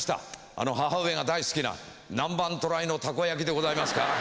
あの義母上が大好きな南蛮渡来のタコ焼きでございますか？